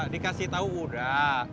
dikasih tau udah